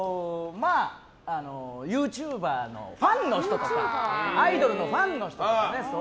ユーチューバーのファンの人とかアイドルのファンの人とか。